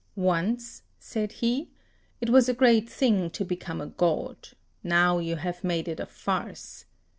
"Once," said he, "it was a great thing to become a god; now you have made it a farce.